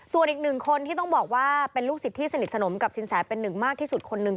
ส่วนอีกหนึ่งคนที่ต้องบอกว่าเป็นลูกศิษย์ที่สนิทสนมกับสินแสเป็นหนึ่งมากที่สุดคนหนึ่ง